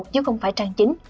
chứ không phải trang chính